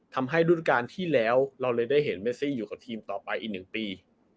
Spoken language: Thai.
ทำให้รุ่นการที่แล้วเราเลยได้เห็นเมซี่อยู่กับทีมต่อไปอีก๑ปี